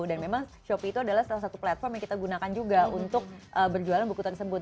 dan memang shopee itu adalah salah satu platform yang kita gunakan juga untuk berjualan buku tersebut